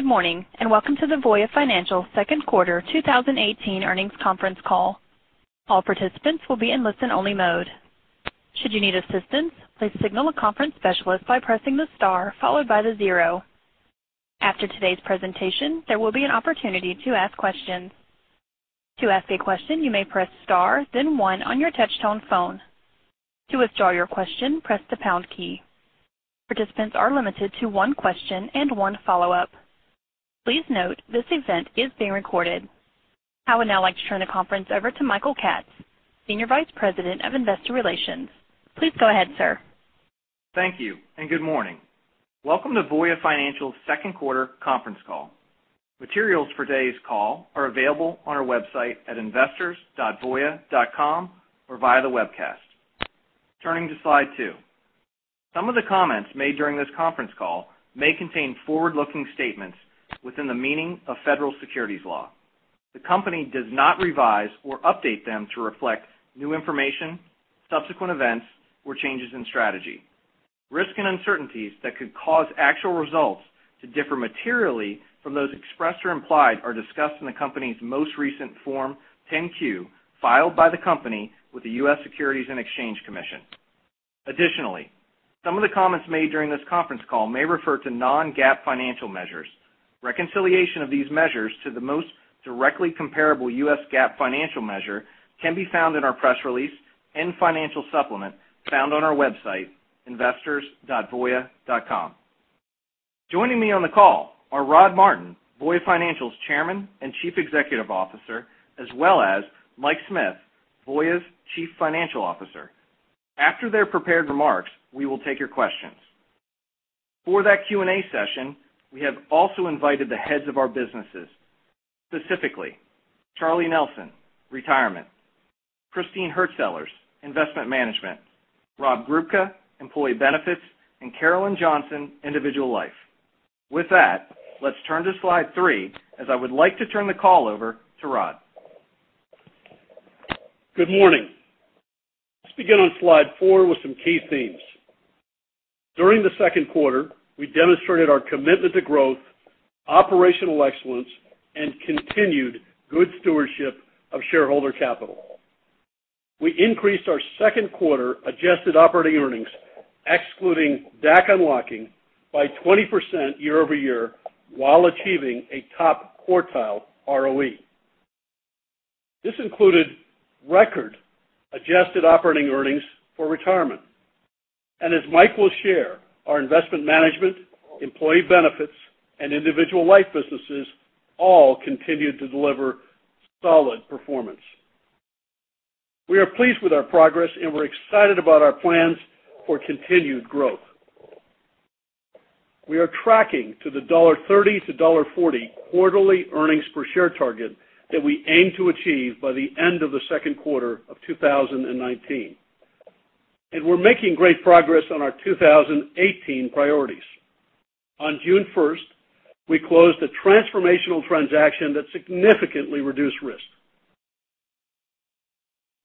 Good morning. Welcome to the Voya Financial second quarter 2018 earnings conference call. All participants will be in listen only mode. Should you need assistance, please signal a conference specialist by pressing star followed by the zero. After today's presentation, there will be an opportunity to ask questions. To ask a question, you may press star then one on your touch tone phone. To withdraw your question, press the pound key. Participants are limited to one question and one follow-up. Please note this event is being recorded. I would now like to turn the conference over to Michael Katz, Senior Vice President of Investor Relations. Please go ahead, sir. Thank you. Good morning. Welcome to Voya Financial's second quarter conference call. Materials for today's call are available on our website at investors.voya.com or via the webcast. Turning to slide two. Some of the comments made during this conference call may contain forward-looking statements within the meaning of Federal Securities law. The company does not revise or update them to reflect new information, subsequent events, or changes in strategy. Risk and uncertainties that could cause actual results to differ materially from those expressed or implied are discussed in the company's most recent Form 10-Q filed by the company with the U.S. Securities and Exchange Commission. Additionally, some of the comments made during this conference call may refer to non-GAAP financial measures. Reconciliation of these measures to the most directly comparable U.S. GAAP financial measure can be found in our press release and financial supplement found on our website, investors.voya.com. Joining me on the call are Rodney Martin, Voya Financial's Chairman and Chief Executive Officer, as well as Michael Smith, Voya's Chief Financial Officer. After their prepared remarks, we will take your questions. For that Q&A session, we have also invited the heads of our businesses. Specifically, Charles Nelson, Retirement, Christine Hurtsellers, Investment Management, Rob Grubka, Employee Benefits, and Carolyn Johnson, Individual Life. Let's turn to slide three as I would like to turn the call over to Rod. Good morning. Let's begin on slide four with some key themes. During the second quarter, we demonstrated our commitment to growth, operational excellence, and continued good stewardship of shareholder capital. We increased our second quarter adjusted operating earnings, excluding DAC unlocking, by 20% year-over-year while achieving a top quartile ROE. This included record adjusted operating earnings for Retirement. As Mike will share, our Investment Management, Employee Benefits, and Individual Life businesses all continued to deliver solid performance. We are pleased with our progress. We're excited about our plans for continued growth. We are tracking to the $1.30 to $1.40 quarterly earnings per share target that we aim to achieve by the end of the second quarter of 2019. We're making great progress on our 2018 priorities. On June 1st, we closed a transformational transaction that significantly reduced risk.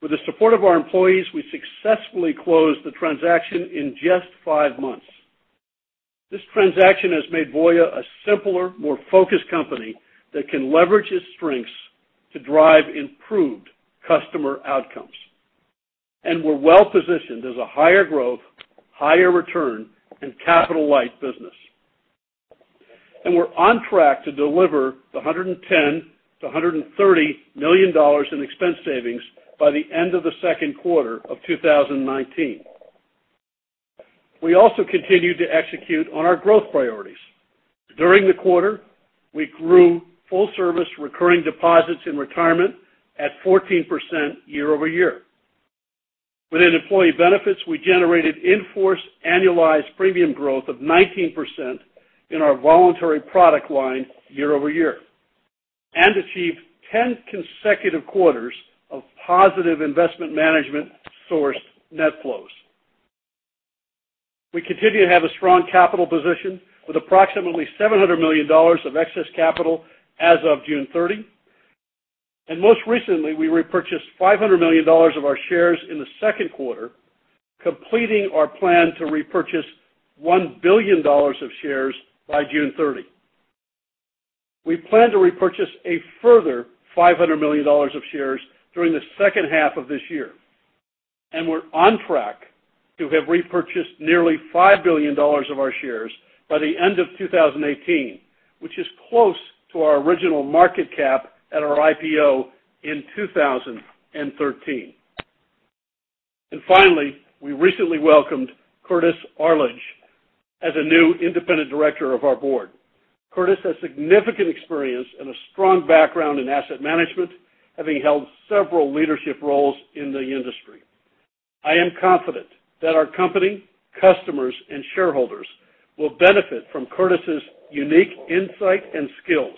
With the support of our employees, we successfully closed the transaction in just five months. This transaction has made Voya a simpler, more focused company that can leverage its strengths to drive improved customer outcomes. We're well positioned as a higher growth, higher return, and capital light business. We're on track to deliver the $110 million-$130 million in expense savings by the end of the second quarter of 2019. We also continued to execute on our growth priorities. During the quarter, we grew Full Service recurring deposits in Retirement at 14% year-over-year. Within Employee Benefits, we generated in-force annualized premium growth of 19% in our voluntary product line year-over-year and achieved 10 consecutive quarters of positive Investment Management sourced net flows. We continue to have a strong capital position with approximately $700 million of excess capital as of June 30. Most recently, we repurchased $500 million of our shares in the second quarter, completing our plan to repurchase $1 billion of shares by June 30. We plan to repurchase a further $500 million of shares during the second half of this year. We're on track to have repurchased nearly $5 billion of our shares by the end of 2018, which is close to our original market cap at our IPO in 2013. Finally, we recently welcomed Curtis Arledge as a new independent director of our board. Curtis has significant experience and a strong background in asset management, having held several leadership roles in the industry. I am confident that our company, customers, and shareholders will benefit from Curtis's unique insight and skills,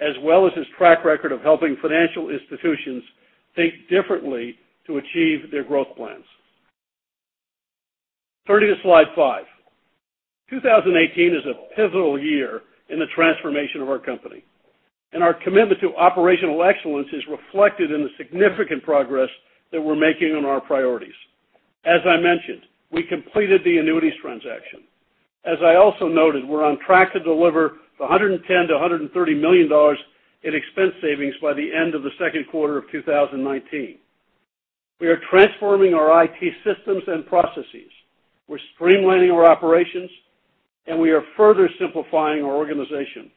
as well as his track record of helping financial institutions think differently to achieve their growth plans. Turning to slide five. 2018 is a pivotal year in the transformation of our company. Our commitment to operational excellence is reflected in the significant progress that we're making on our priorities. As I mentioned, we completed the annuities transaction. As I also noted, we're on track to deliver $110 million-$130 million in expense savings by the end of the second quarter of 2019. We are transforming our IT systems and processes. We're streamlining our operations. We are further simplifying our organization.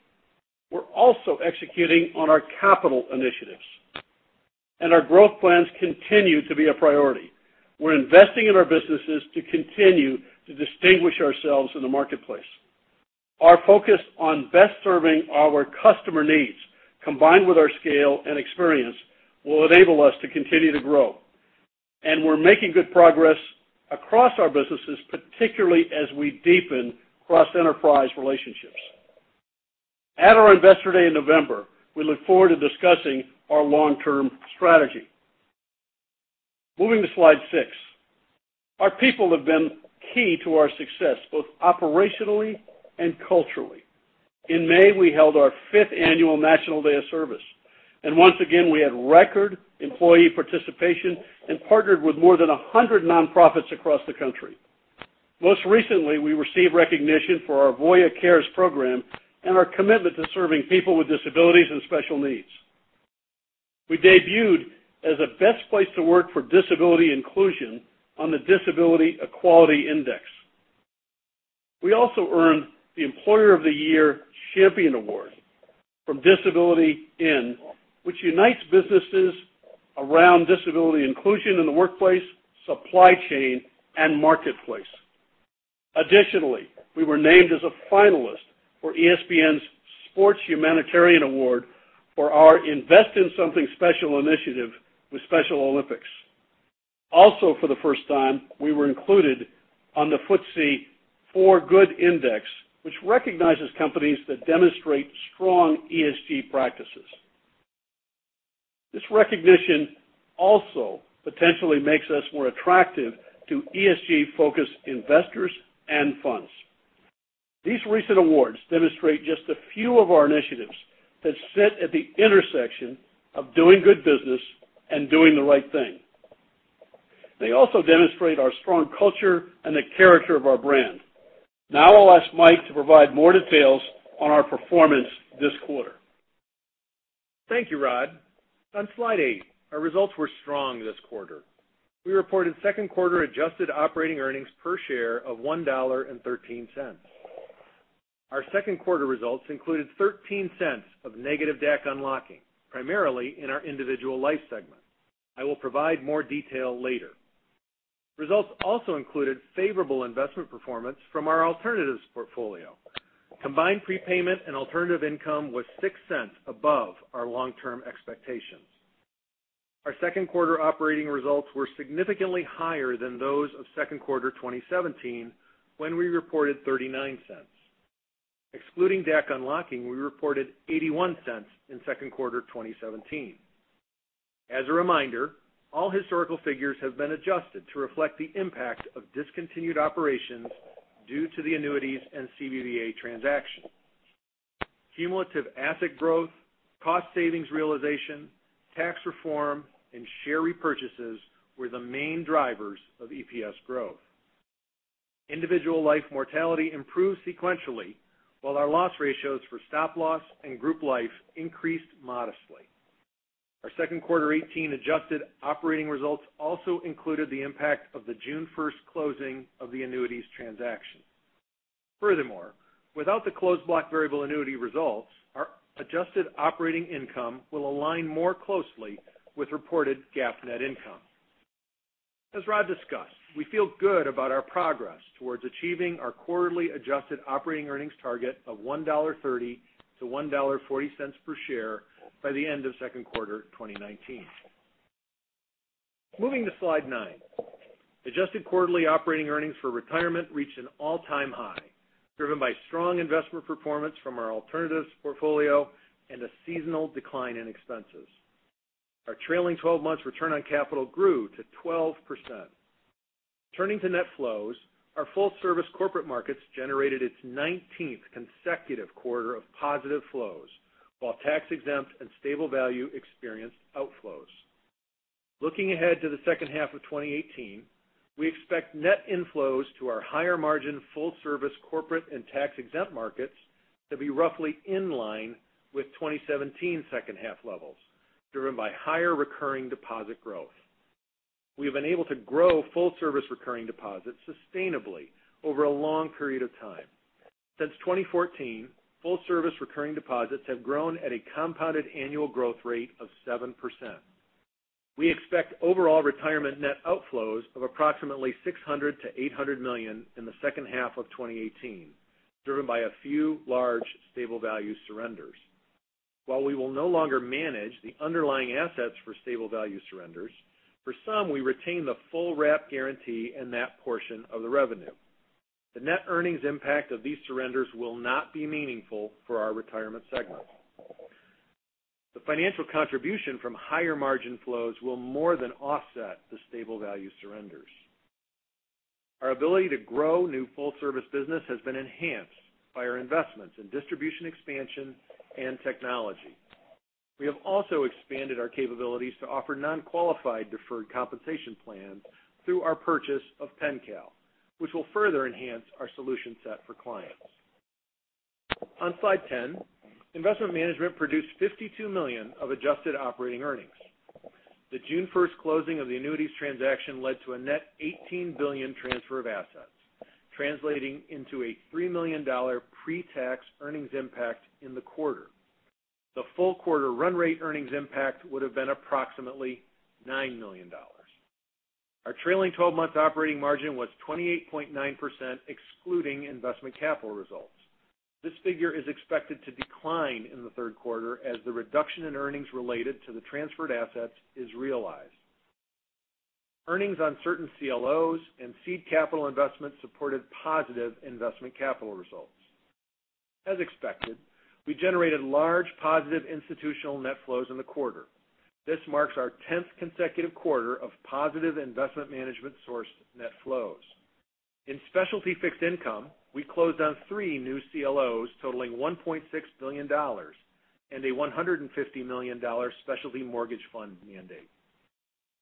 We're also executing on our capital initiatives. Our growth plans continue to be a priority. We're investing in our businesses to continue to distinguish ourselves in the marketplace. Our focus on best serving our customer needs, combined with our scale and experience, will enable us to continue to grow. We're making good progress across our businesses, particularly as we deepen cross-enterprise relationships. At our Investor Day in November, we look forward to discussing our long-term strategy. Moving to slide six. Our people have been key to our success, both operationally and culturally. In May, we held our fifth annual National Day of Service, and once again, we had record employee participation and partnered with more than 100 nonprofits across the country. Most recently, we received recognition for our Voya Cares program and our commitment to serving people with disabilities and special needs. We debuted as a best place to work for disability inclusion on the Disability Equality Index. We also earned the Employer of the Year Champion Award from Disability:IN, which unites businesses around disability inclusion in the workplace, supply chain, and marketplace. Additionally, we were named as a finalist for ESPN's Sports Humanitarian Award for our Invest in Something Special initiative with Special Olympics. For the first time, we were included on the FTSE4Good Index, which recognizes companies that demonstrate strong ESG practices. This recognition also potentially makes us more attractive to ESG-focused investors and funds. These recent awards demonstrate just a few of our initiatives that sit at the intersection of doing good business and doing the right thing. They also demonstrate our strong culture and the character of our brand. Now I'll ask Mike to provide more details on our performance this quarter. Thank you, Rod. On slide eight, our results were strong this quarter. We reported second quarter adjusted operating earnings per share of $1.13. Our second quarter results included $0.13 of negative DAC unlocking, primarily in our Individual Life segment. I will provide more detail later. Results also included favorable investment performance from our alternatives portfolio. Combined prepayment and alternative income was $0.06 above our long-term expectations. Our second quarter operating results were significantly higher than those of second quarter 2017, when we reported $0.39. Excluding DAC unlocking, we reported $0.81 in second quarter 2017. As a reminder, all historical figures have been adjusted to reflect the impact of discontinued operations due to the annuities and CBVA transaction. Cumulative asset growth, cost savings realization, tax reform, and share repurchases were the main drivers of EPS growth. Individual Life mortality improved sequentially, while our loss ratios for Stop Loss and Group Life increased modestly. Our second quarter 2018 adjusted operating results also included the impact of the June 1st closing of the annuities transaction. Furthermore, without the closed block variable annuity results, our adjusted operating income will align more closely with reported GAAP net income. As Rod discussed, we feel good about our progress towards achieving our quarterly adjusted operating earnings target of $1.30-$1.40 per share by the end of second quarter 2019. Moving to slide nine. Adjusted quarterly operating earnings for Retirement reached an all-time high, driven by strong investment performance from our alternatives portfolio and a seasonal decline in expenses. Our trailing 12 months return on capital grew to 12%. Turning to net flows, our Full Service corporate markets generated its 19th consecutive quarter of positive flows, while tax-exempt and stable value experienced outflows. Looking ahead to the second half of 2018, we expect net inflows to our higher margin Full Service corporate and tax-exempt markets to be roughly in line with 2017 second half levels, driven by higher recurring deposit growth. We have been able to grow Full Service recurring deposits sustainably over a long period of time. Since 2014, Full Service recurring deposits have grown at a compounded annual growth rate of 7%. We expect overall Retirement net outflows of approximately $600 million-$800 million in the second half of 2018, driven by a few large stable value surrenders. While we will no longer manage the underlying assets for stable value surrenders, for some, we retain the full wrap guarantee and that portion of the revenue. The net earnings impact of these surrenders will not be meaningful for our Retirement segment. The financial contribution from higher margin flows will more than offset the stable value surrenders. Our ability to grow new Full Service business has been enhanced by our investments in distribution expansion and technology. We have also expanded our capabilities to offer nonqualified deferred compensation plans through our purchase of Pen-Cal, which will further enhance our solution set for clients. On slide 10, Investment Management produced $52 million of adjusted operating earnings. The June 1st closing of the annuities transaction led to a net $18 billion transfer of assets, translating into a $3 million pre-tax earnings impact in the quarter. The full quarter run rate earnings impact would have been approximately $9 million. Our trailing 12-month operating margin was 28.9%, excluding investment capital results. This figure is expected to decline in the third quarter as the reduction in earnings related to the transferred assets is realized. Earnings on certain CLOs and seed capital investments supported positive investment capital results. As expected, we generated large positive institutional net flows in the quarter. This marks our 10th consecutive quarter of positive Investment Management sourced net flows. In specialty fixed income, we closed on three new CLOs totaling $1.6 billion and a $150 million specialty mortgage fund mandate.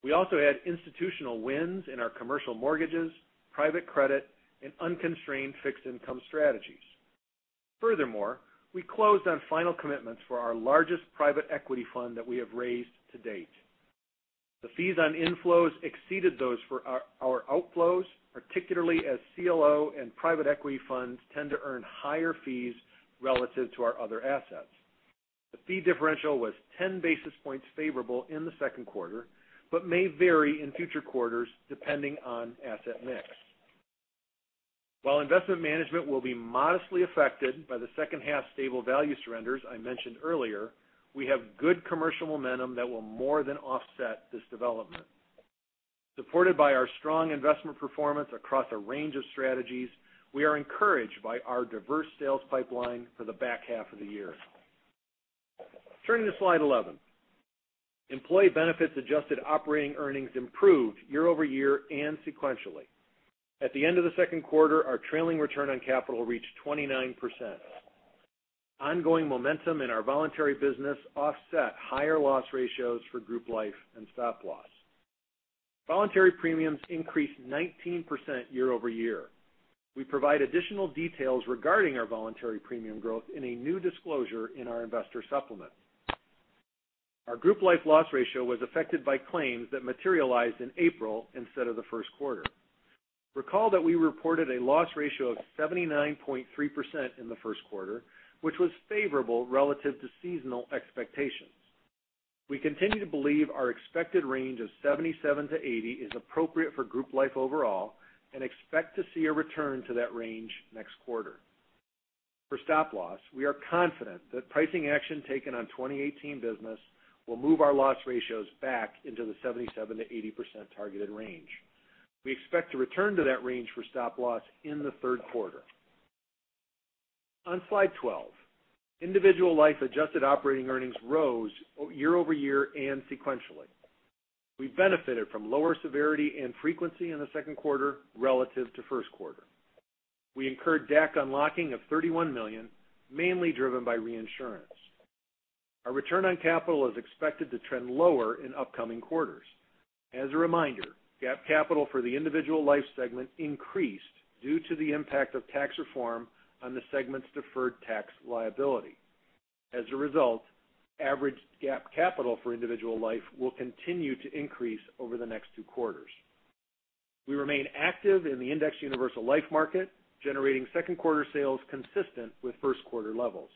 We also had institutional wins in our commercial mortgages, private credit, and unconstrained fixed income strategies. Furthermore, we closed on final commitments for our largest private equity fund that we have raised to date. The fees on inflows exceeded those for our outflows, particularly as CLO and private equity funds tend to earn higher fees relative to our other assets. The fee differential was 10 basis points favorable in the second quarter but may vary in future quarters depending on asset mix. While Investment Management will be modestly affected by the second half stable value surrenders I mentioned earlier, we have good commercial momentum that will more than offset this development. Supported by our strong investment performance across a range of strategies, we are encouraged by our diverse sales pipeline for the back half of the year. Turning to slide 11. Employee Benefits adjusted operating earnings improved year-over-year and sequentially. At the end of the second quarter, our trailing return on capital reached 29%. Ongoing momentum in our voluntary business offset higher loss ratios for Group Life and Stop Loss. Voluntary premiums increased 19% year-over-year. We provide additional details regarding our voluntary premium growth in a new disclosure in our investor supplement. Our Group Life loss ratio was affected by claims that materialized in April instead of the first quarter. Recall that we reported a loss ratio of 79.3% in the first quarter, which was favorable relative to seasonal expectations. We continue to believe our expected range of 77%-80% is appropriate for Group Life overall and expect to see a return to that range next quarter. For Stop Loss, we are confident that pricing action taken on 2018 business will move our loss ratios back into the 77%-80% targeted range. We expect to return to that range for Stop Loss in the third quarter. On slide 12, Individual Life adjusted operating earnings rose year-over-year and sequentially. We benefited from lower severity and frequency in the second quarter relative to first quarter. We incurred DAC unlocking of $31 million, mainly driven by reinsurance. Our return on capital is expected to trend lower in upcoming quarters. As a reminder, GAAP capital for the Individual Life segment increased due to the impact of tax reform on the segment's deferred tax liability. As a result, average GAAP capital for Individual Life will continue to increase over the next two quarters. We remain active in the Index Universal Life market, generating second quarter sales consistent with first quarter levels.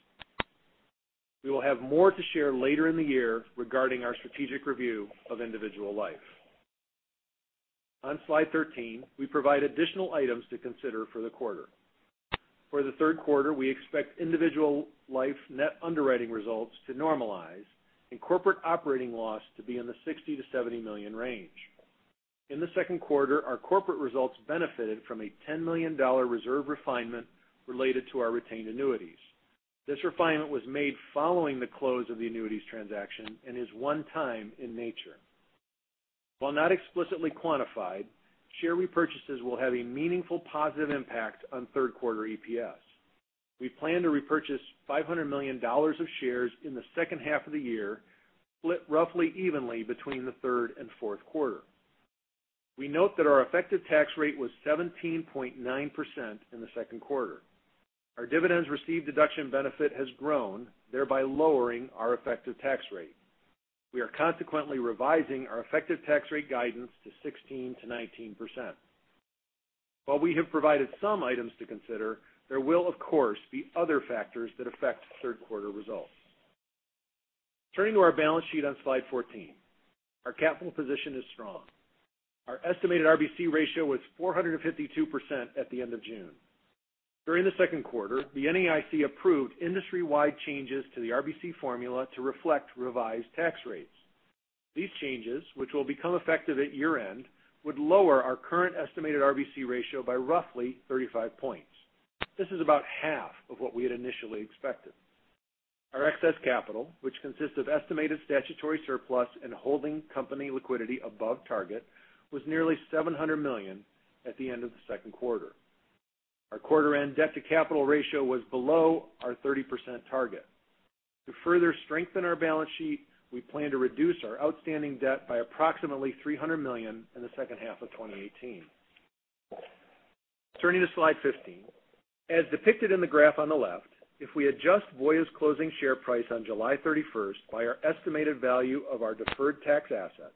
We will have more to share later in the year regarding our strategic review of Individual Life. On slide 13, we provide additional items to consider for the quarter. For the third quarter, we expect Individual Life net underwriting results to normalize and corporate operating loss to be in the $60 million-$70 million range. In the second quarter, our corporate results benefited from a $10 million reserve refinement related to our retained annuities. This refinement was made following the close of the annuities transaction and is one time in nature. While not explicitly quantified, share repurchases will have a meaningful positive impact on third quarter EPS. We plan to repurchase $500 million of shares in the second half of the year, split roughly evenly between the third and fourth quarter. We note that our effective tax rate was 17.9% in the second quarter. Our dividends received deduction benefit has grown, thereby lowering our effective tax rate. We are consequently revising our effective tax rate guidance to 16%-19%. While we have provided some items to consider, there will of course be other factors that affect third quarter results. Turning to our balance sheet on slide 14. Our capital position is strong. Our estimated RBC ratio was 452% at the end of June. During the second quarter, the NAIC approved industry-wide changes to the RBC formula to reflect revised tax rates. These changes, which will become effective at year-end, would lower our current estimated RBC ratio by roughly 35 points. This is about half of what we had initially expected. Our excess capital, which consists of estimated statutory surplus and holding company liquidity above target, was nearly $700 million at the end of the second quarter. Our quarter-end debt-to-capital ratio was below our 30% target. To further strengthen our balance sheet, we plan to reduce our outstanding debt by approximately $300 million in the second half of 2018. Turning to slide 15. As depicted in the graph on the left, if we adjust Voya's closing share price on July 31st by our estimated value of our deferred tax assets,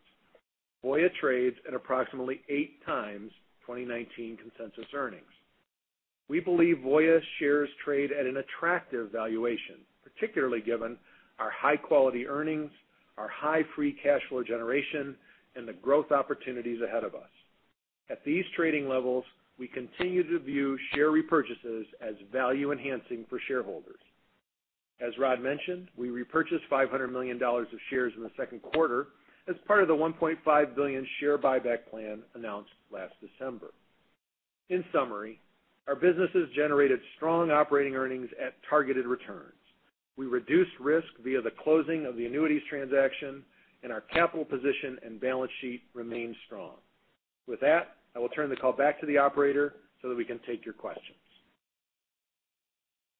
Voya trades at approximately eight times 2019 consensus earnings. We believe Voya shares trade at an attractive valuation, particularly given our high-quality earnings, our high free cash flow generation, and the growth opportunities ahead of us. At these trading levels, we continue to view share repurchases as value-enhancing for shareholders. As Rod mentioned, we repurchased $500 million of shares in the second quarter as part of the $1.5 billion share buyback plan announced last December. In summary, our businesses generated strong operating earnings at targeted returns. We reduced risk via the closing of the annuities transaction, and our capital position and balance sheet remain strong. With that, I will turn the call back to the operator so that we can take your questions.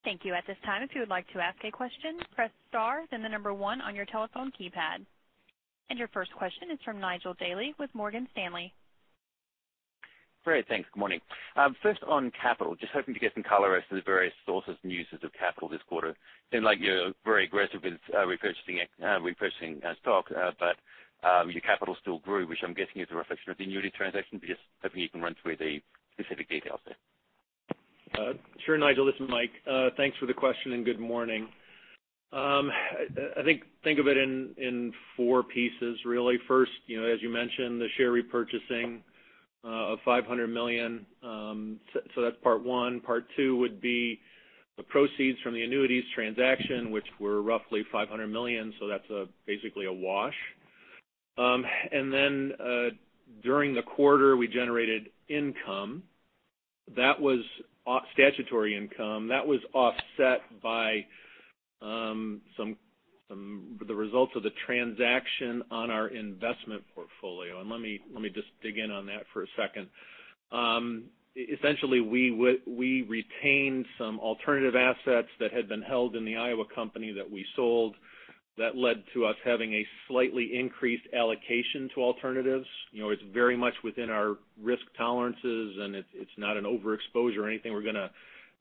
Thank you. At this time, if you would like to ask a question, press star, then the number 1 on your telephone keypad. Your first question is from Nigel Dally with Morgan Stanley. Great. Thanks. Good morning. First on capital, just hoping to get some color as to the various sources and uses of capital this quarter. Seemed like you're very aggressive with repurchasing stock, your capital still grew, which I'm guessing is a reflection of the annuity transaction, just hoping you can run through the specific details there. Sure, Nigel. It's Mike. Thanks for the question and good morning. I think of it in four pieces, really. First, as you mentioned, the share repurchasing of $500 million, so that's part 1. Part 2 would be the proceeds from the annuities transaction, which were roughly $500 million, so that's basically a wash. Then, during the quarter, we generated income. That was statutory income. That was offset by the results of the transaction on our investment portfolio, let me just dig in on that for a second. Essentially, we retained some alternative assets that had been held in the Iowa company that we sold that led to us having a slightly increased allocation to alternatives. It's very much within our risk tolerances, it's not an overexposure or anything we're going to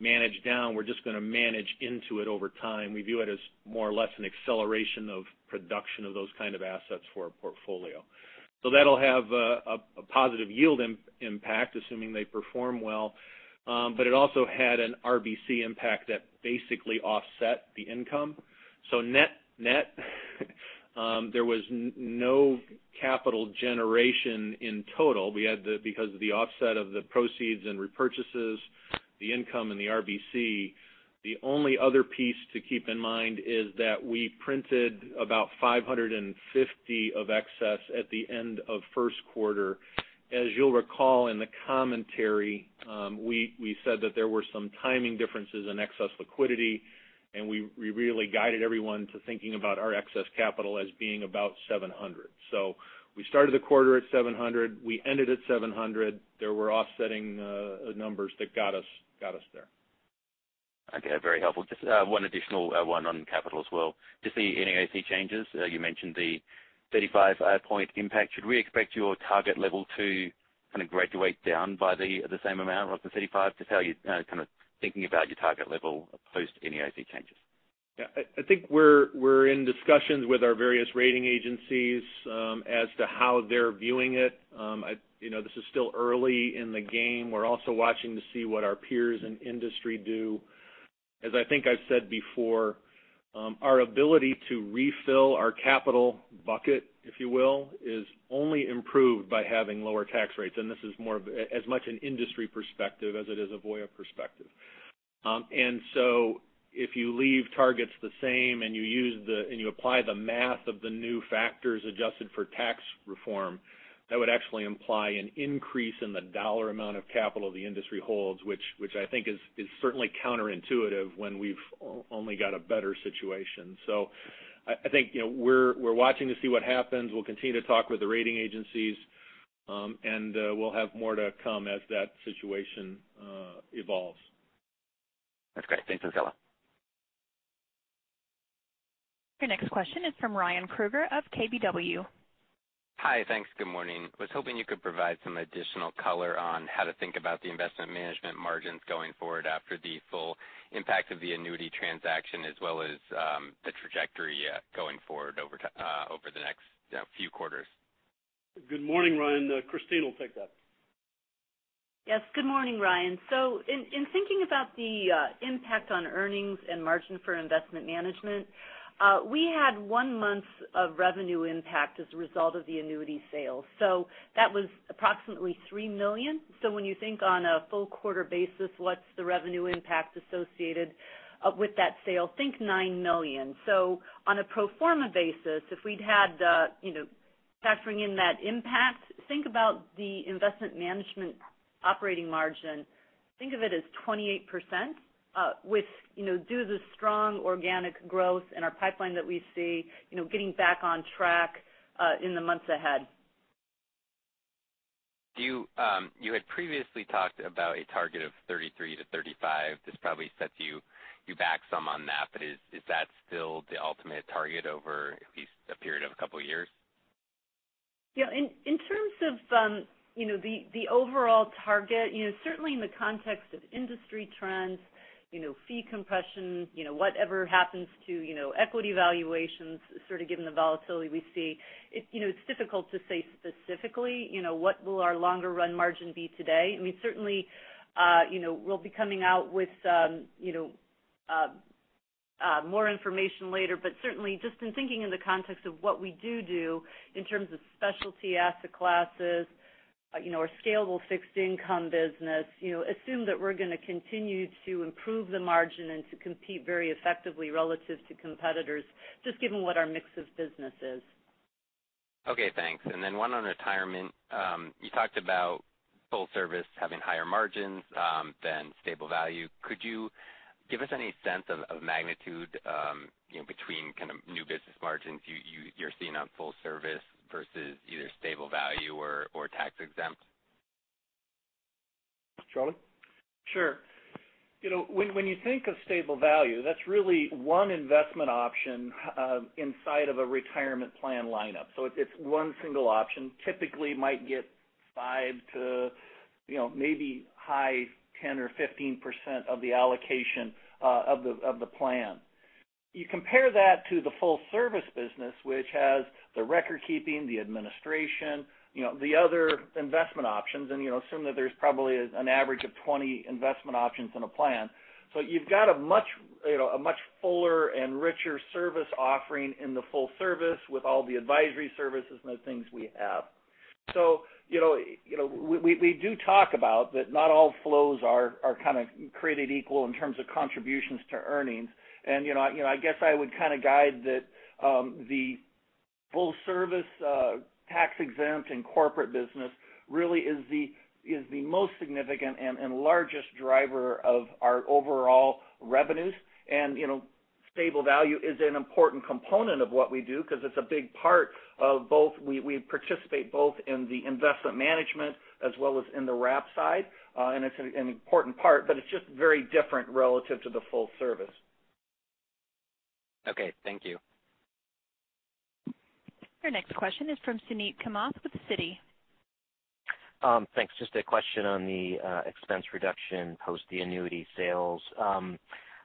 manage down. We're just going to manage into it over time. We view it as more or less an acceleration of production of those kind of assets for our portfolio. That'll have a positive yield impact, assuming they perform well. It also had an RBC impact that basically offset the income. Net, there was no capital generation in total because of the offset of the proceeds and repurchases, the income, and the RBC. The only other piece to keep in mind is that we printed about $550 of excess at the end of first quarter. As you'll recall in the commentary, we said that there were some timing differences in excess liquidity, we really guided everyone to thinking about our excess capital as being about $700. We started the quarter at $700. We ended at $700. There were offsetting numbers that got us there. Okay. Very helpful. Just one additional one on capital as well. Just the NAIC changes, you mentioned the 35-point impact. Should we expect your target level to kind of graduate down by the same amount of the 35? Just how you're kind of thinking about your target level post NAIC changes. Yeah. I think we're in discussions with our various rating agencies as to how they're viewing it. This is still early in the game. We're also watching to see what our peers in the industry do. As I think I've said before, our ability to refill our capital bucket, if you will, is only improved by having lower tax rates, and this is as much an industry perspective as it is a Voya perspective. If you leave targets the same and you apply the math of the new factors adjusted for tax reform, that would actually imply an increase in the dollar amount of capital the industry holds, which I think is certainly counterintuitive when we've only got a better situation. I think we're watching to see what happens. We'll continue to talk with the rating agencies, and we'll have more to come as that situation evolves. That's great. Thanks a lot. Your next question is from Ryan Krueger of KBW. Hi. Thanks. Good morning. Was hoping you could provide some additional color on how to think about the Investment Management margins going forward after the full impact of the annuity transaction, as well as the trajectory going forward over the next few quarters. Good morning, Ryan. Christine will take that. Yes. Good morning, Ryan. In thinking about the impact on earnings and margin for Investment Management, we had one month of revenue impact as a result of the annuity sale. That was approximately $3 million. When you think on a full quarter basis, what's the revenue impact associated with that sale? Think $9 million. On a pro forma basis, if we'd had factoring in that impact, think about the Investment Management operating margin. Think of it as 28%, which due to strong organic growth in our pipeline that we see, getting back on track, in the months ahead. You had previously talked about a target of 33%-35%. This probably sets you back some on that. Is that still the ultimate target over at least a period of a couple of years? Yeah. In terms of the overall target, certainly in the context of industry trends, fee compression, whatever happens to equity valuations, sort of given the volatility we see, it's difficult to say specifically what will our longer run margin be today. Certainly, we'll be coming out with more information later. Certainly, just in thinking in the context of what we do in terms of specialty asset classes, our scalable fixed income business, assume that we're going to continue to improve the margin and to compete very effectively relative to competitors, just given what our mix of business is. Okay, thanks. Then one on Retirement. You talked about Full Service having higher margins than stable value. Could you give us any sense of magnitude between new business margins you're seeing on Full Service versus either stable value or tax exempt? Charlie? Sure. When you think of stable value, that's really one investment option inside of a retirement plan lineup. It's one single option. Typically might get 5% to maybe high 10% or 15% of the allocation of the plan. You compare that to the Full Service business, which has the record keeping, the administration, the other investment options, and assume that there's probably an average of 20 investment options in a plan. You've got a much fuller and richer service offering in the Full Service with all the advisory services and the things we have. We do talk about that not all flows are kind of created equal in terms of contributions to earnings. I guess I would guide that the Full Service tax exempt and corporate business really is the most significant and largest driver of our overall revenues. Stable value is an important component of what we do because it's a big part of both. We participate both in the Investment Management as well as in the wrap side. It's an important part, but it's just very different relative to the Full Service. Okay, thank you. Your next question is from Suneet Kamath with Citi. Thanks. Just a question on the expense reduction post the annuity sales.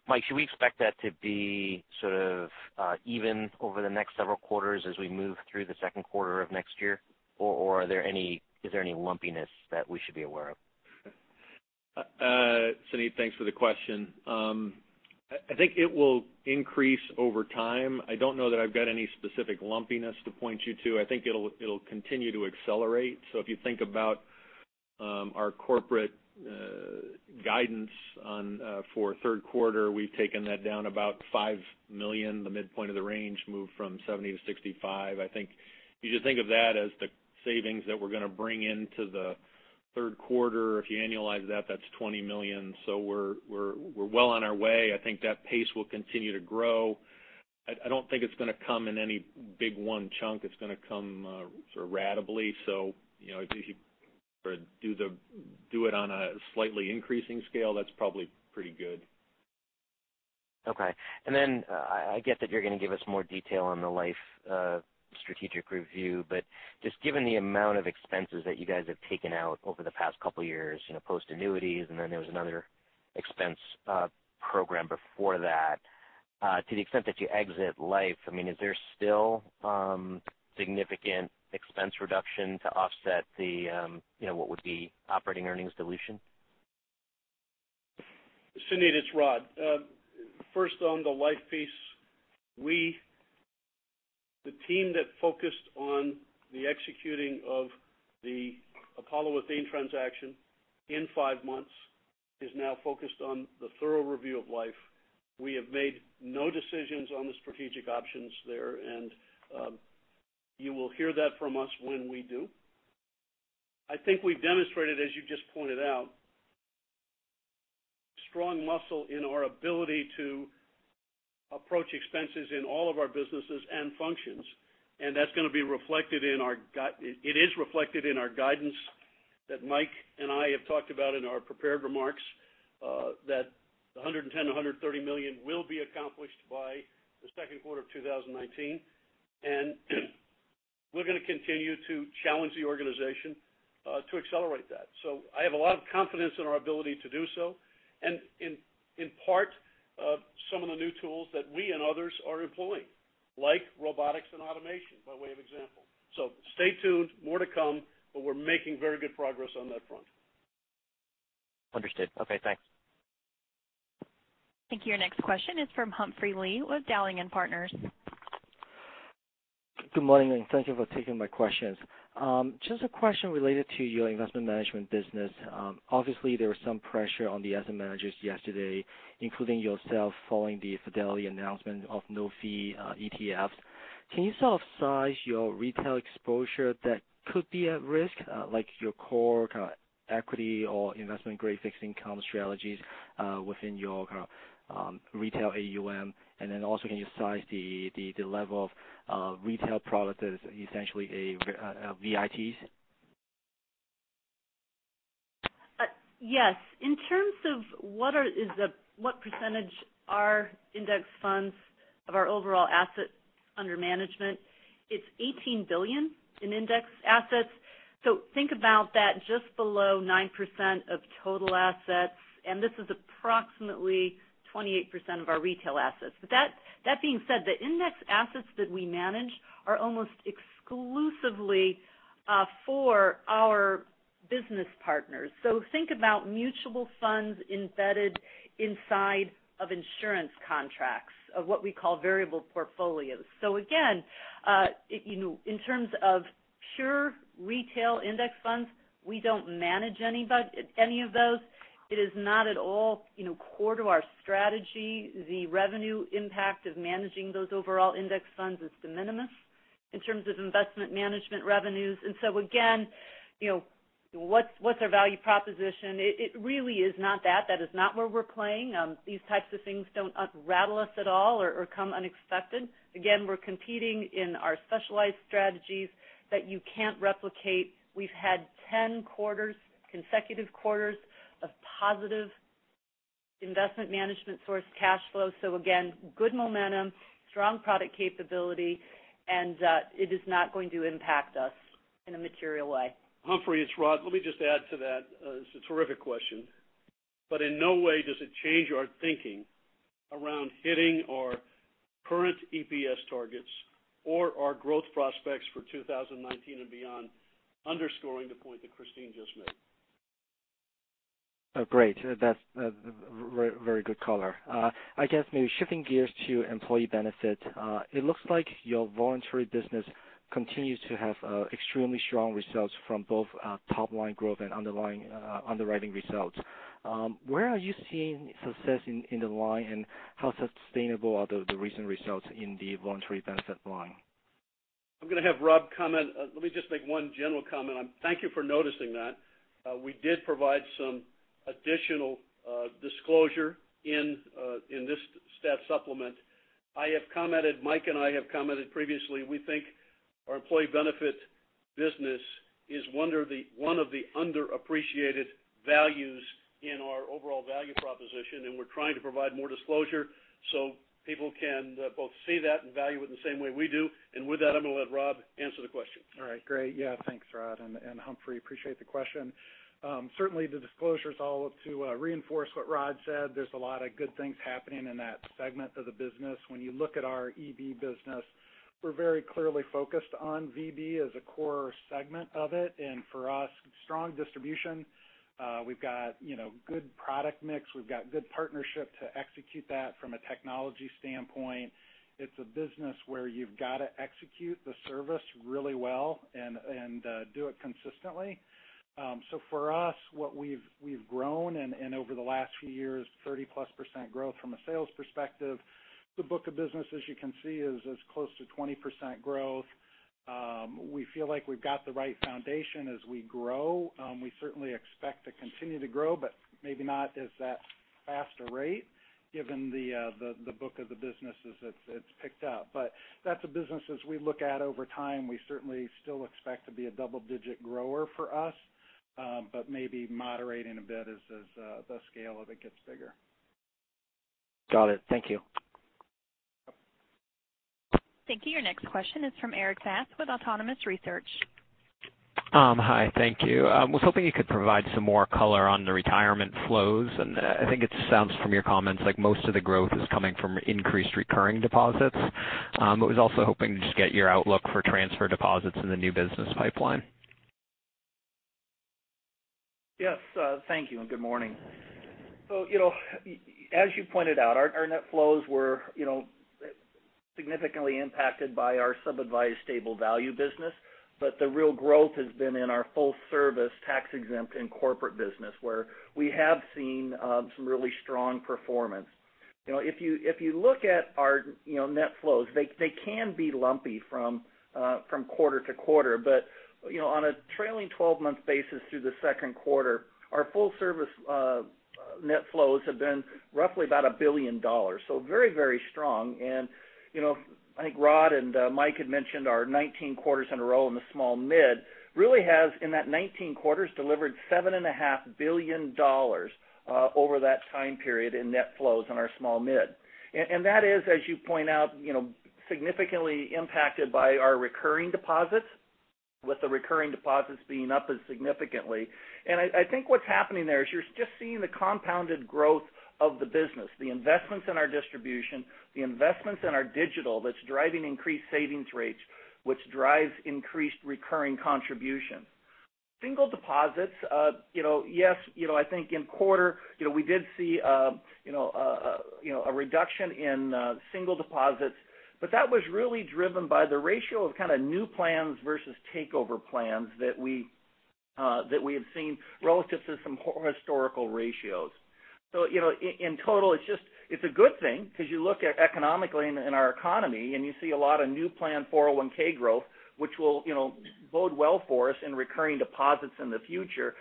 Mike, should we expect that to be even over the next several quarters as we move through the second quarter of next year? Or is there any lumpiness that we should be aware of? Suneet, thanks for the question. I think it will increase over time. I don't know that I've got any specific lumpiness to point you to. I think it'll continue to accelerate. If you think about our corporate guidance for third quarter, we've taken that down about $5 million. The midpoint of the range moved from $70 million to $65 million. I think you just think of that as the savings that we're going to bring into the third quarter. If you annualize that's $20 million. We're well on our way. I think that pace will continue to grow. I don't think it's going to come in any big one chunk. It's going to come sort of ratably. If you do it on a slightly increasing scale, that's probably pretty good. Okay. Then I get that you're going to give us more detail on the Life strategic review. Just given the amount of expenses that you guys have taken out over the past couple of years, post annuities, then there was another expense program before that. To the extent that you exit Life, is there still significant expense reduction to offset what would be operating earnings dilution? Suneet, it's Rod. First on the Life piece. The team that focused on the executing of the Apollo Athene transaction in five months is now focused on the thorough review of Life. We have made no decisions on the strategic options there, you will hear that from us when we do. I think we've demonstrated, as you just pointed out, strong muscle in our ability to approach expenses in all of our businesses and functions, it is reflected in our guidance that Mike and I have talked about in our prepared remarks, that the $110 million-$130 million will be accomplished by the second quarter of 2019. We're going to continue to challenge the organization to accelerate that. I have a lot of confidence in our ability to do so. In part, some of the new tools that we and others are employing, like robotics and automation, by way of example. Stay tuned, more to come, we're making very good progress on that front. Understood. Okay, thanks. Thank you. Your next question is from Humphrey Lee with Dowling & Partners. Good morning, thank you for taking my questions. Just a question related to your Investment Management business. Obviously, there was some pressure on the asset managers yesterday, including yourself, following the Fidelity announcement of no-fee ETFs. Can you sort of size your retail exposure that could be at risk, like your core equity or investment-grade fixed income strategies within your retail AUM? Then also can you size the level of retail product that is essentially a VIT? Yes. In terms of what percentage are index funds of our overall assets under management, it's $18 billion in index assets. Think about that just below 9% of total assets, this is approximately 28% of our retail assets. That being said, the index assets that we manage are almost exclusively for our business partners. Think about mutual funds embedded inside of insurance contracts, of what we call variable portfolios. Again, in terms of pure retail index funds, we don't manage any of those. It is not at all core to our strategy. The revenue impact of managing those overall index funds is de minimis in terms of Investment Management revenues. Again, what's our value proposition? It really is not that. That is not where we're playing. These types of things don't unravel us at all or come unexpected. We're competing in our specialized strategies that you can't replicate. We've had 10 consecutive quarters of positive Investment Management sourced cash flow. Again, good momentum, strong product capability, it is not going to impact us in a material way. Humphrey, it's Rod. Let me just add to that. It's a terrific question, in no way does it change our thinking around hitting our current EPS targets or our growth prospects for 2019 and beyond, underscoring the point that Christine just made. Great. That's very good color. I guess maybe shifting gears to Employee Benefits. It looks like your voluntary business continues to have extremely strong results from both top-line growth and underwriting results. Where are you seeing success in the line, how sustainable are the recent results in the voluntary benefit line? I'm going to have Rob comment. Let me just make one general comment. Thank you for noticing that. We did provide some additional disclosure in this stat supplement. Mike and I have commented previously, we think our Employee Benefits business is one of the underappreciated values in our overall value proposition, we're trying to provide more disclosure so people can both see that and value it the same way we do. With that, I'm going to let Rob answer the question. All right. Great. Yeah, thanks Rod and Humphrey, appreciate the question. Certainly the disclosure is all to reinforce what Rod said. There's a lot of good things happening in that segment of the business. When you look at our EB business, we're very clearly focused on VB as a core segment of it, and for us, strong distribution. We've got good product mix. We've got good partnership to execute that from a technology standpoint. It's a business where you've got to execute the service really well and do it consistently. For us, what we've grown, and over the last few years, 30%+ growth from a sales perspective. The book of business, as you can see, is close to 20% growth. We feel like we've got the right foundation as we grow. We certainly expect to continue to grow, maybe not as that faster rate given the book of the business as it's picked up. That's a business as we look at over time, we certainly still expect to be a double-digit grower for us. Maybe moderating a bit as the scale of it gets bigger. Got it. Thank you. Thank you. Your next question is from Erik Bass with Autonomous Research. Hi. Thank you. I was hoping you could provide some more color on the Retirement flows. I think it sounds from your comments like most of the growth is coming from increased recurring deposits. I was also hoping to just get your outlook for transfer deposits in the new business pipeline. Yes. Thank you and good morning. As you pointed out, our net flows were significantly impacted by our sub-advised stable value business, but the real growth has been in our Full Service tax-exempt and corporate business, where we have seen some really strong performance. If you look at our net flows, they can be lumpy from quarter to quarter. On a trailing 12-month basis through the second quarter, our Full Service net flows have been roughly about $1 billion. Very strong. I think Rod and Mike had mentioned our 19 quarters in a row in the small/mid really has, in that 19 quarters, delivered $7.5 billion over that time period in net flows in our small/mid. That is, as you point out, significantly impacted by our recurring deposits, with the recurring deposits being up as significantly. I think what's happening there is you're just seeing the compounded growth of the business, the investments in our distribution, the investments in our digital that's driving increased savings rates, which drives increased recurring contributions. Single deposits, yes, I think in quarter, we did see a reduction in single deposits. That was really driven by the ratio of new plans versus takeover plans that we that we have seen relative to some historical ratios. In total, it's a good thing because you look economically in our economy, and you see a lot of new plan 401 growth, which will bode well for us in recurring deposits in the future.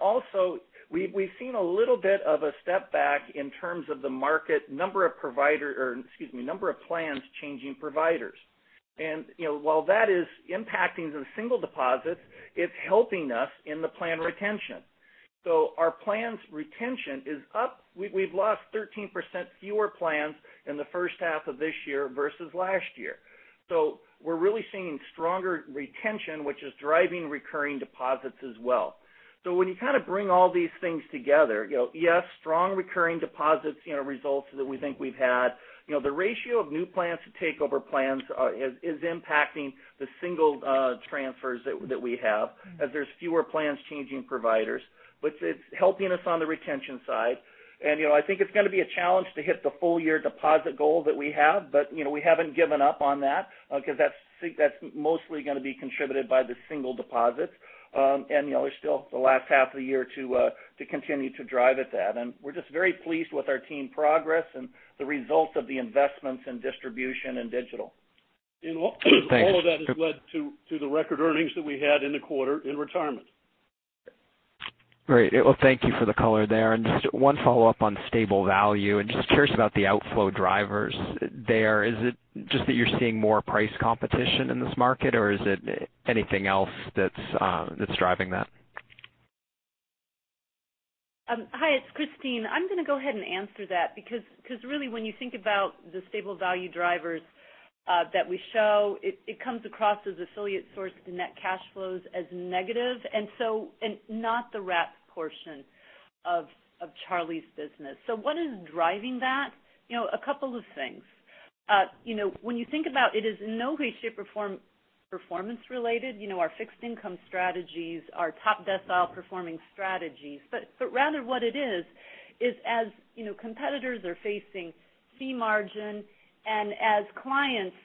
Also, we've seen a little bit of a step back in terms of the market number of provider, or excuse me, number of plans changing providers. While that is impacting the single deposits, it's helping us in the plan retention. Our plans retention is up. We've lost 13% fewer plans in the first half of this year versus last year. We're really seeing stronger retention, which is driving recurring deposits as well. When you bring all these things together, yes, strong recurring deposits results that we think we've had. The ratio of new plans to takeover plans is impacting the single transfers that we have as there's fewer plans changing providers. It's helping us on the retention side. I think it's going to be a challenge to hit the full-year deposit goal that we have, but we haven't given up on that because that's mostly going to be contributed by the single deposits. There's still the last half of the year to continue to drive at that. We're just very pleased with our team progress and the results of the investments in distribution and digital. Thanks. All of that has led to the record earnings that we had in the quarter in Retirement. Great. Well, thank you for the color there. Just one follow-up on stable value, and just curious about the outflow drivers there. Is it just that you're seeing more price competition in this market, or is it anything else that's driving that? Hi, it's Christine. I'm going to go ahead and answer that because really when you think about the stable value drivers that we show, it comes across as affiliate source net cash flows as negative. Not the wrap portion of Charlie's business. What is driving that? A couple of things. When you think about it is in no way, shape, or form performance related. Our fixed income strategies are top decile performing strategies. Rather what it is as competitors are facing fee margin and as clients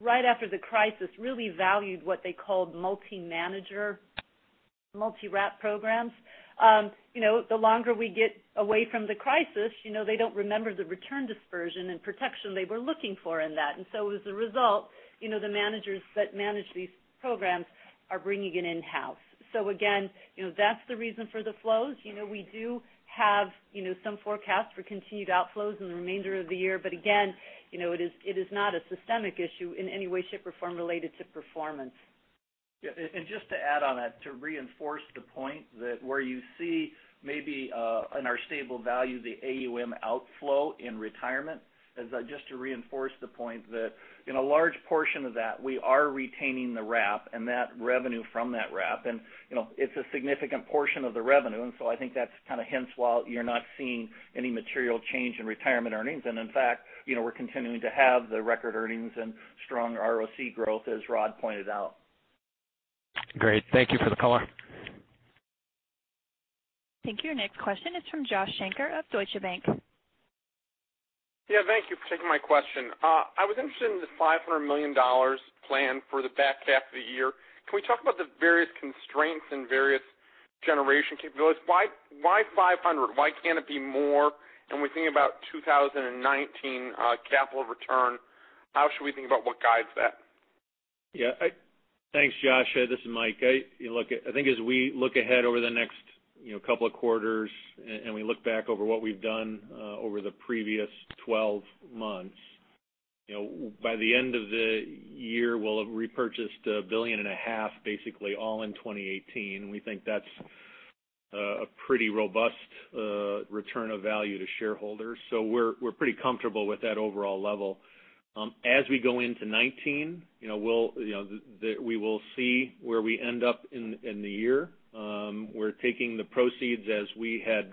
right after the crisis really valued what they called multi-manager, multi-wrap programs. The longer we get away from the crisis they don't remember the return dispersion and protection they were looking for in that. As a result, the managers that manage these programs are bringing it in-house. Again, that's the reason for the flows. We do have some forecasts for continued outflows in the remainder of the year, but again it is not a systemic issue in any way, shape, or form related to performance. Yeah. Just to add on that, to reinforce the point that where you see maybe in our stable value, the AUM outflow in Retirement, is just to reinforce the point that in a large portion of that, we are retaining the wrap and that revenue from that wrap. It's a significant portion of the revenue, so I think that's kind of hence why you're not seeing any material change in Retirement earnings. In fact, we're continuing to have the record earnings and strong ROC growth as Rod pointed out. Great. Thank you for the color. Thank you. Your next question is from Joshua Shanker of Deutsche Bank. Yeah, thank you for taking my question. I was interested in the $500 million plan for the back half of the year. Can we talk about the various constraints and various generation capabilities? Why 500? Why can't it be more? When thinking about 2019 capital return, how should we think about what guides that? Yeah. Thanks, Josh. This is Mike. I think as we look ahead over the next couple of quarters, and we look back over what we've done over the previous 12 months, by the end of the year, we'll have repurchased a billion and a half, basically all in 2018. We think that's a pretty robust return of value to shareholders. We're pretty comfortable with that overall level. As we go into 2019, we will see where we end up in the year. We're taking the proceeds as we had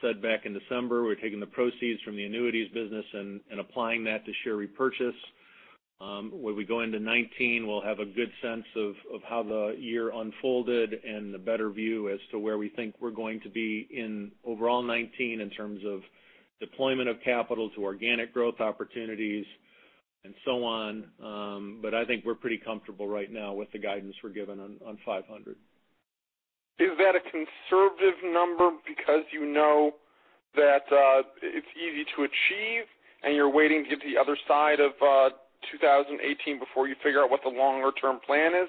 said back in December. We're taking the proceeds from the annuities business and applying that to share repurchase. When we go into 2019, we'll have a good sense of how the year unfolded and a better view as to where we think we're going to be in overall 2019 in terms of deployment of capital to organic growth opportunities and so on. I think we're pretty comfortable right now with the guidance we're giving on $500. Is that a conservative number because you know that it's easy to achieve, you're waiting to get to the other side of 2018 before you figure out what the longer-term plan is?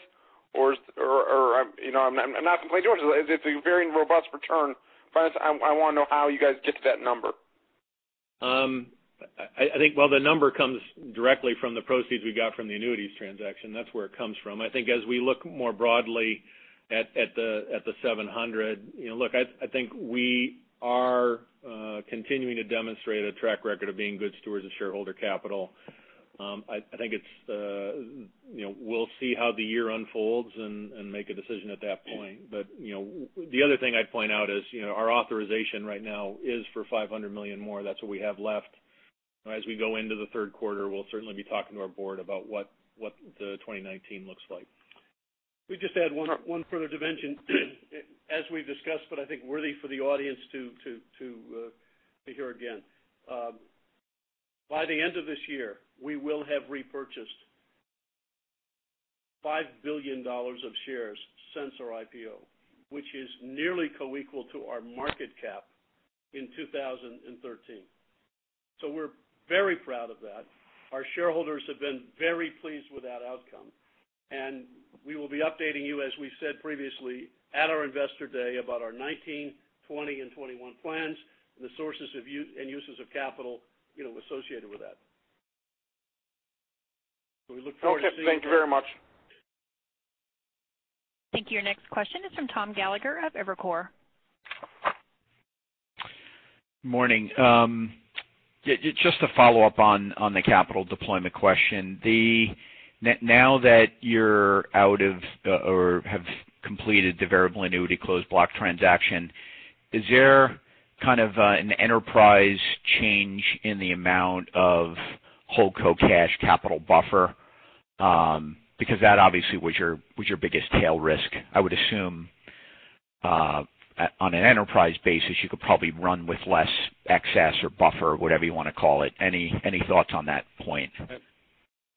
I'm not complaining, it's a very robust return. I want to know how you guys get to that number. I think while the number comes directly from the proceeds we got from the annuities transaction, that's where it comes from. I think as we look more broadly at the $700 million, look, I think we are continuing to demonstrate a track record of being good stewards of shareholder capital. I think we'll see how the year unfolds and make a decision at that point. The other thing I'd point out is our authorization right now is for $500 million more. That's what we have left. As we go into the third quarter, we'll certainly be talking to our board about what the 2019 looks like. Let me just add one further dimension. As we've discussed, but I think worthy for the audience to hear again. By the end of this year, we will have repurchased $5 billion of shares since our IPO, which is nearly coequal to our market cap in 2013. We're very proud of that. Our shareholders have been very pleased with that outcome, and we will be updating you, as we said previously at our investor day, about our 2019, 2020, and 2021 plans and the sources and uses of capital associated with that. We look forward to seeing you there. Okay, thank you very much. Thank you. Your next question is from Thomas Gallagher of Evercore. Morning. Just to follow up on the capital deployment question. Now that you have completed the variable annuity closed block transaction, is there an enterprise change in the amount of holdco cash capital buffer? That obviously was your biggest tail risk. I would assume on an enterprise basis, you could probably run with less excess or buffer, whatever you want to call it. Any thoughts on that point?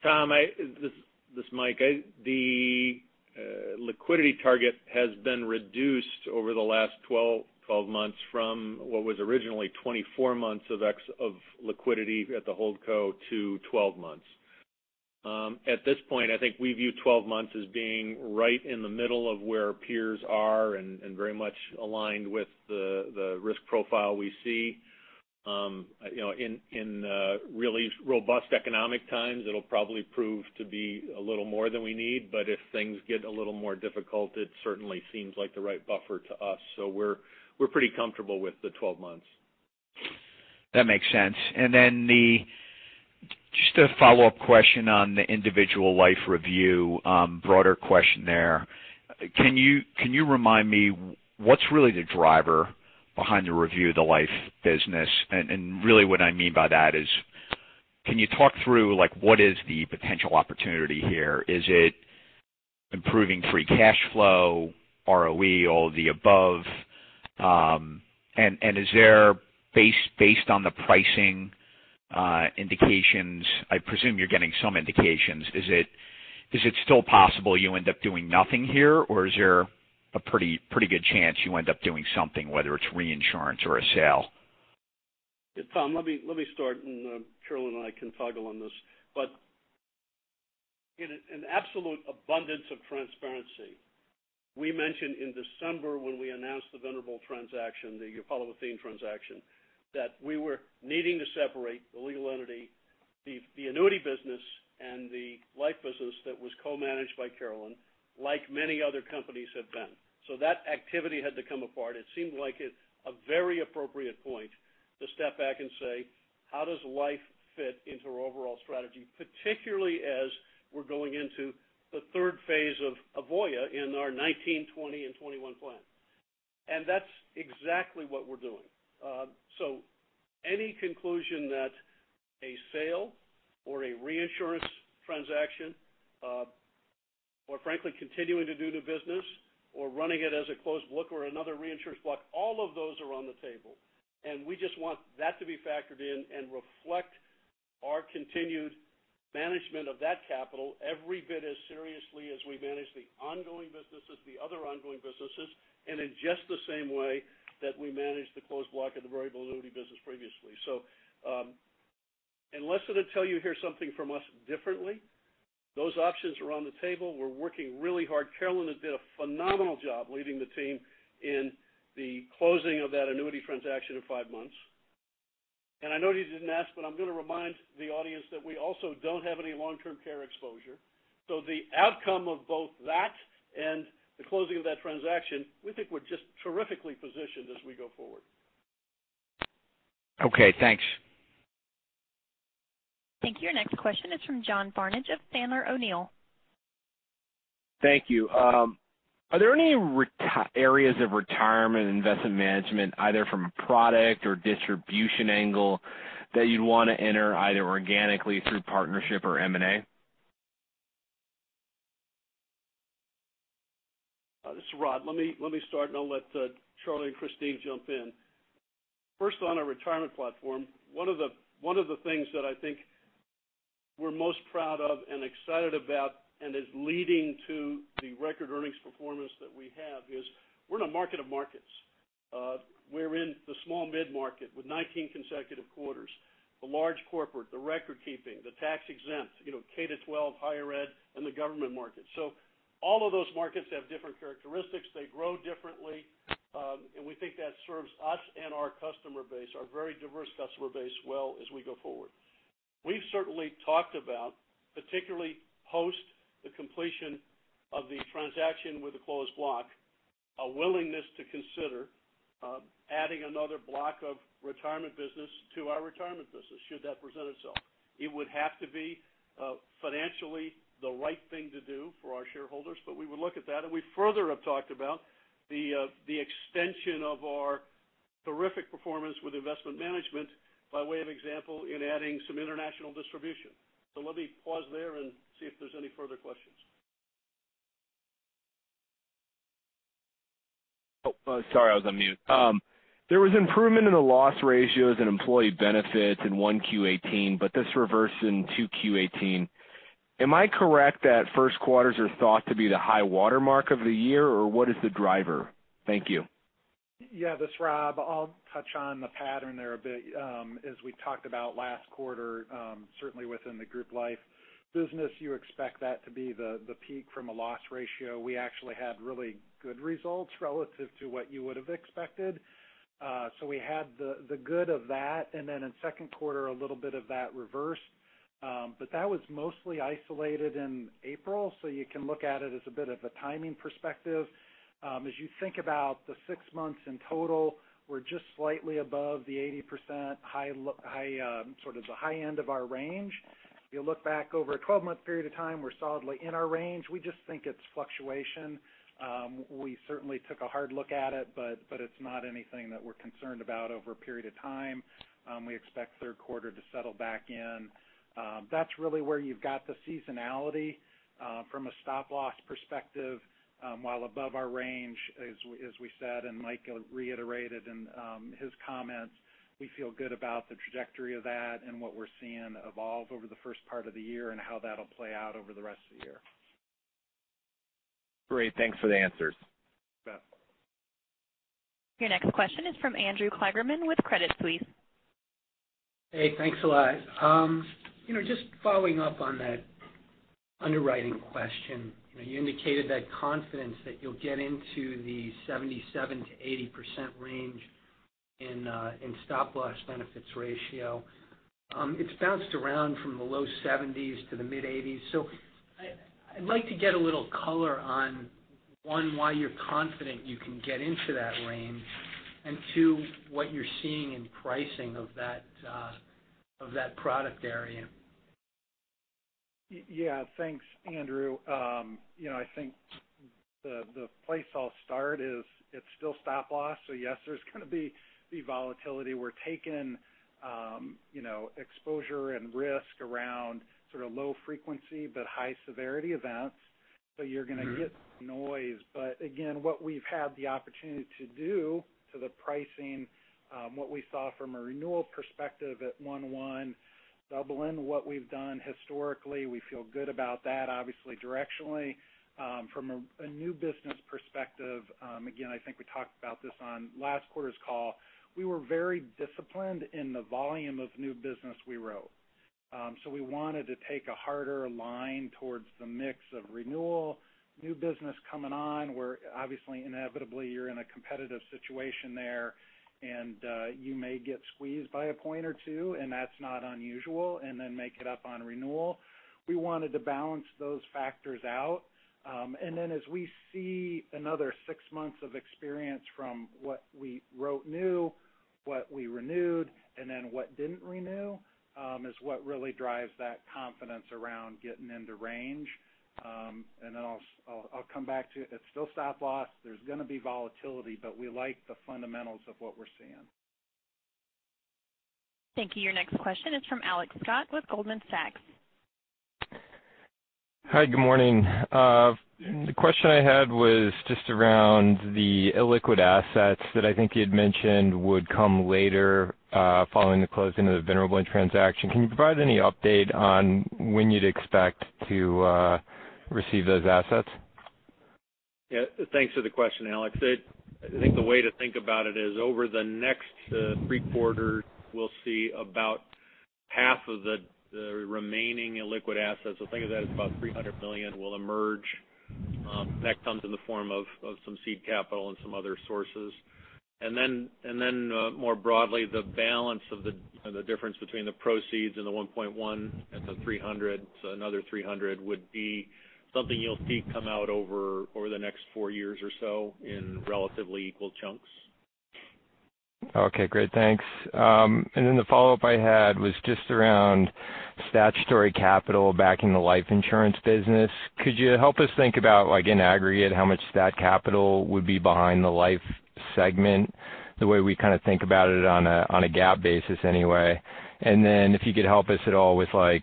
Tom, this is Mike. The liquidity target has been reduced over the last 12 months from what was originally 24 months of liquidity at the holdco to 12 months. At this point, I think we view 12 months as being right in the middle of where peers are and very much aligned with the risk profile we see. In really robust economic times, it'll probably prove to be a little more than we need, but if things get a little more difficult, it certainly seems like the right buffer to us. We're pretty comfortable with the 12 months. That makes sense. Just a follow-up question on the Individual Life review broader question there. Can you remind me what's really the driver behind the review of the life business? Really what I mean by that is, can you talk through what is the potential opportunity here? Is it improving free cash flow, ROE, or the above? Is there, based on the pricing indications, I presume you're getting some indications, is it still possible you end up doing nothing here or is there a pretty good chance you end up doing something, whether it's reinsurance or a sale? Tom, let me start. Carolyn and I can toggle on this. In an absolute abundance of transparency, we mentioned in December when we announced the Venerable transaction, the Apollo Athene transaction, that we were needing to separate the legal entity, the annuity business, and the life business that was co-managed by Carolyn, like many other companies have been. That activity had to come apart. It seemed like a very appropriate point to step back and say, how does life fit into our overall strategy, particularly as we're going into the third phase of Voya in our 2019, 2020, and 2021 plan. That's exactly what we're doing. Any conclusion that a sale or a reinsurance transaction or frankly continuing to do the business or running it as a closed look or another reinsurance block, all of those are on the table. We just want that to be factored in and reflect our continued management of that capital every bit as seriously as we manage the ongoing businesses, the other ongoing businesses, and in just the same way that we managed the Closed Block of the Variable Annuity business previously. Unless and until you hear something from us differently, those options are on the table. We're working really hard. Carolyn has done a phenomenal job leading the team in the closing of that annuity transaction in five months. I know you didn't ask, but I'm going to remind the audience that we also don't have any long-term care exposure. The outcome of both that and the closing of that transaction, we think we're just terrifically positioned as we go forward. Okay, thanks. Thank you. Our next question is from John Barnidge of Sandler O'Neill. Thank you. Are there any areas of Retirement Investment Management, either from a product or distribution angle that you'd want to enter either organically through partnership or M&A? This is Rod. Let me start, and I'll let Charlie and Christine jump in. First on our Retirement platform, one of the things that I think we're most proud of and excited about and is leading to the record earnings performance that we have is we're in a market of markets. We're in the small mid-market with 19 consecutive quarters, the large corporate, the record keeping, the tax exempt, K-12, higher ed, and the government market. All of those markets have different characteristics. They grow differently, and we think that serves us and our customer base, our very diverse customer base well as we go forward. We've certainly talked about, particularly post the completion of the transaction with the Closed Block, a willingness to consider adding another block of Retirement business to our Retirement business should that present itself. It would have to be financially the right thing to do for our shareholders. We would look at that. We further have talked about the extension of our terrific performance with Investment Management by way of example in adding some international distribution. Let me pause there and see if there's any further questions. Sorry, I was on mute. There was improvement in the loss ratios in Employee Benefits in 1Q 2018. This reversed in 2Q 2018. Am I correct that first quarters are thought to be the high watermark of the year, or what is the driver? Thank you. This is Rob. I'll touch on the pattern there a bit. As we talked about last quarter, certainly within the Group Life business, you expect that to be the peak from a loss ratio. We actually had really good results relative to what you would have expected. We had the good of that, and then in the second quarter, a little bit of that reversed. That was mostly isolated in April, so you can look at it as a bit of a timing perspective. As you think about the six months in total, we're just slightly above the 80% sort of the high end of our range. If you look back over a 12-month period of time, we're solidly in our range. We just think it's fluctuation. We certainly took a hard look at it, but it's not anything that we're concerned about over a period of time. We expect the third quarter to settle back in. That's really where you've got the seasonality from a Stop Loss perspective, while above our range, as we said and Mike reiterated in his comments, we feel good about the trajectory of that and what we're seeing evolve over the first part of the year and how that'll play out over the rest of the year. Great. Thanks for the answers. You bet. Your next question is from Andrew Kligerman with Credit Suisse. Hey, thanks a lot. Just following up on that underwriting question. You indicated that confidence that you'll get into the 77%-80% range in Stop Loss benefits ratio. It's bounced around from the low 70s to the mid-80s. I'd like to get a little color on, one, why you're confident you can get into that range, and two, what you're seeing in pricing of that product area. Yeah. Thanks, Andrew. I think the place I'll start is it's still Stop Loss, yes, there's going to be volatility. We're taking exposure and risk around low-frequency but high-severity events, you're going to get noise. Again, what we've had the opportunity to do to the pricing, what we saw from a renewal perspective at 1/1, double in what we've done historically, we feel good about that, obviously directionally. From a new business perspective, again, I think we talked about this on last quarter's call, we were very disciplined in the volume of new business we wrote. We wanted to take a harder line towards the mix of renewal, new business coming on, where obviously inevitably you're in a competitive situation there, and you may get squeezed by a point or two, and that's not unusual, and then make it up on renewal. We wanted to balance those factors out. As we see another six months of experience from what we wrote new, what we renewed, and then what didn't renew, is what really drives that confidence around getting into range. I'll come back to it. It's still Stop Loss. There's going to be volatility, we like the fundamentals of what we're seeing. Thank you. Your next question is from Alex Scott with Goldman Sachs. Hi, good morning. The question I had was just around the illiquid assets that I think you'd mentioned would come later, following the closing of the Venerable transaction. Can you provide any update on when you'd expect to receive those assets? Yeah. Thanks for the question, Alex. I think the way to think about it is over the next three quarters, we'll see about half of the remaining illiquid assets. Think of that as about $300 million will emerge. That comes in the form of some seed capital and some other sources. More broadly, the balance of the difference between the proceeds and the 1.1 and the 300, so another 300 would be something you'll see come out over the next four years or so in relatively equal chunks. Okay, great. Thanks. The follow-up I had was just around statutory capital backing the life insurance business. Could you help us think about, like in aggregate, how much stat capital would be behind the life segment, the way we kind of think about it on a GAAP basis anyway? If you could help us at all with where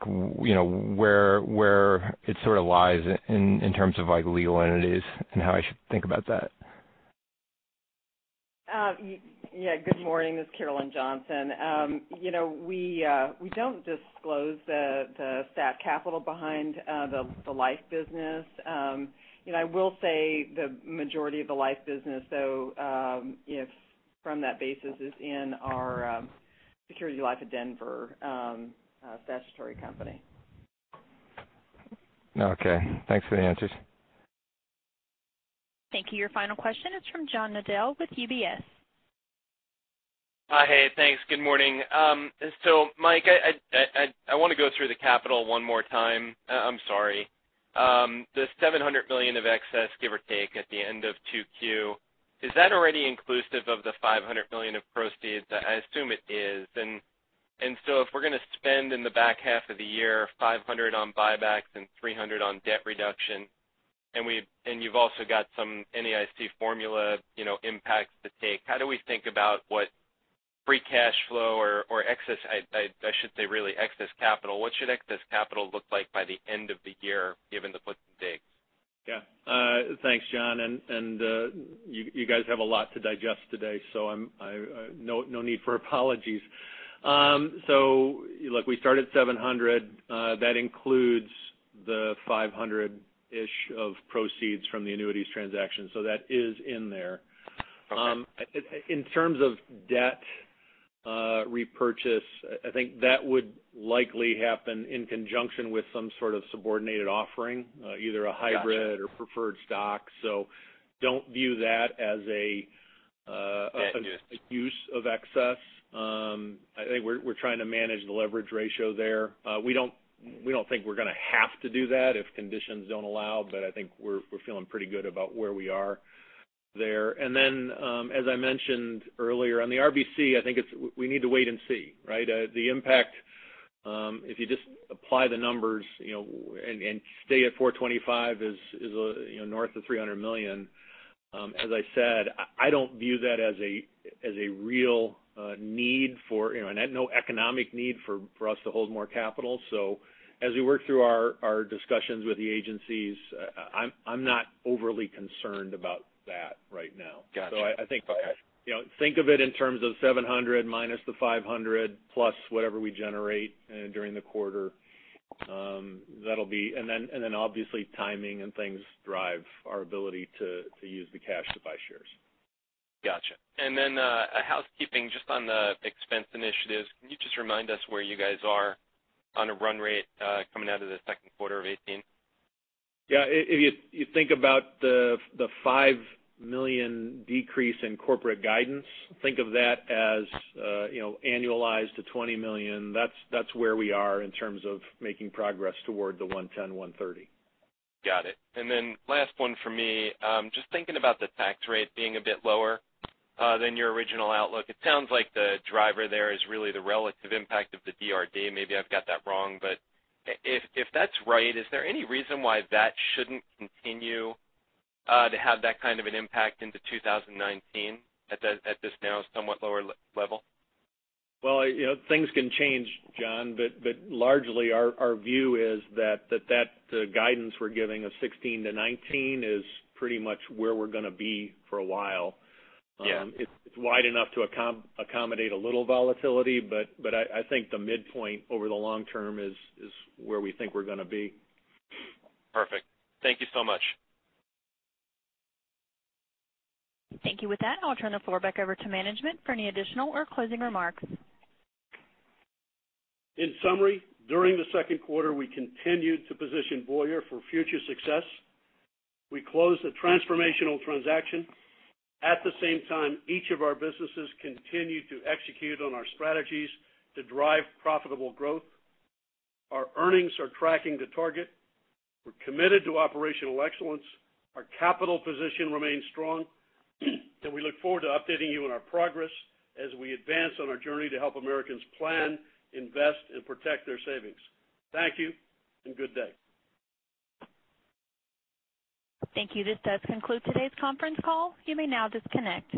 it sort of lies in terms of legal entities and how I should think about that. Yeah. Good morning. This is Carolyn Johnson. We don't disclose the stat capital behind the life business. I will say the majority of the life business, though, from that basis, is in our Security Life of Denver statutory company. Okay. Thanks for the answers. Thank you. Your final question is from John Nadel with UBS. Hi. Hey, thanks. Good morning. Mike, I want to go through the capital one more time. I'm sorry. The $700 million of excess, give or take, at the end of Q2, is that already inclusive of the $500 million of proceeds? I assume it is. If we're going to spend in the back half of the year, $500 on buybacks and $300 on debt reduction, and you've also got some NAIC formula impacts to take. How do we think about what. Free cash flow or excess, I should say really excess capital. What should excess capital look like by the end of the year given the. Yeah. Thanks, John, you guys have a lot to digest today, so no need for apologies. Look, we start at $700. That includes the $500-ish of proceeds from the annuities transaction. That is in there. Okay. In terms of debt repurchase, I think that would likely happen in conjunction with some sort of subordinated offering, either a Got you or preferred stock. Don't view that as Debt just use of excess. I think we're trying to manage the leverage ratio there. We don't think we're going to have to do that if conditions don't allow, but I think we're feeling pretty good about where we are there. As I mentioned earlier, on the RBC, I think we need to wait and see, right? The impact, if you just apply the numbers and stay at 425 is north of $300 million. As I said, I don't view that as a real need for, no economic need for us to hold more capital. As we work through our discussions with the agencies, I'm not overly concerned about that right now. Got you. Okay. I think of it in terms of $700 minus the $500 plus whatever we generate during the quarter. Obviously timing and things drive our ability to use the cash to buy shares. Got you. Housekeeping just on the expense initiatives. Can you just remind us where you guys are on a run rate coming out of the second quarter of 2018? Yeah. If you think about the $5 million decrease in corporate guidance, think of that as annualized to $20 million. That's where we are in terms of making progress toward the $110, $130. Got it. Last one for me, just thinking about the tax rate being a bit lower than your original outlook. It sounds like the driver there is really the relative impact of the DRD. Maybe I've got that wrong. If that's right, is there any reason why that shouldn't continue to have that kind of an impact into 2019 at this now somewhat lower level? Well, things can change, John, largely our view is that the guidance we're giving of 16% to 19% is pretty much where we're going to be for a while. Yeah. It's wide enough to accommodate a little volatility, but I think the midpoint over the long term is where we think we're going to be. Perfect. Thank you so much. Thank you. With that, I'll turn the floor back over to management for any additional or closing remarks. In summary, during the second quarter, we continued to position Voya for future success. We closed a transformational transaction. At the same time, each of our businesses continued to execute on our strategies to drive profitable growth. Our earnings are tracking to target. We're committed to operational excellence. Our capital position remains strong. We look forward to updating you on our progress as we advance on our journey to help Americans plan, invest, and protect their savings. Thank you and good day. Thank you. This does conclude today's conference call. You may now disconnect.